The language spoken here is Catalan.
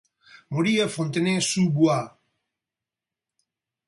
Morí a Fontenay-sous-Bois.